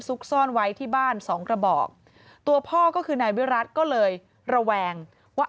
ซ่อนไว้ที่บ้านสองกระบอกตัวพ่อก็คือนายวิรัติก็เลยระแวงว่า